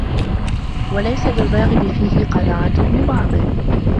وَلَيْسَ لِلرَّاغِبِ فِيهِ قَنَاعَةٌ بِبَعْضِهِ